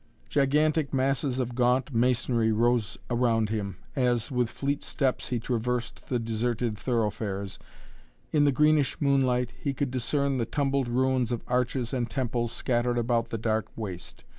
Gigantic masses of gaunt masonry rose around him as, with fleet steps, he traversed the deserted thoroughfares. In the greenish moonlight he could discern the tumbled ruins of arches and temples scattered about the dark waste.